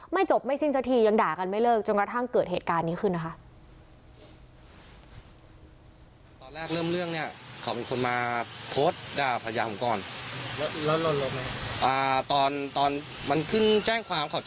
จบไม่สิ้นสักทียังด่ากันไม่เลิกจนกระทั่งเกิดเหตุการณ์นี้ขึ้นนะคะ